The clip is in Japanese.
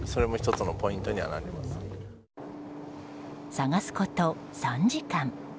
探すこと３時間。